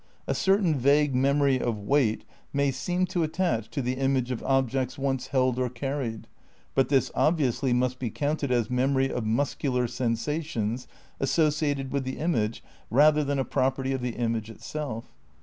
A certain vague memory of weight may seem to attach to the image of objects once held or carried; but this, obviously, must be counted as memory of muscular sensations associated with the image rather than a property of the image itself.